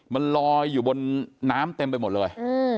มันลอยอยู่บนน้ำเต็มไปหมดเลย